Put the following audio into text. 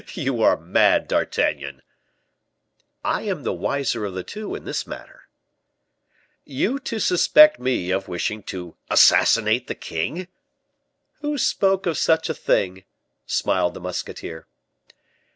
"You are mad, D'Artagnan." "I am the wiser of the two, in this matter." "You to suspect me of wishing to assassinate the king!" "Who spoke of such a thing?" smiled the musketeer.